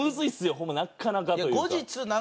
ホンマなかなかというか。